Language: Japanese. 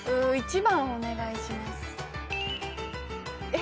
え？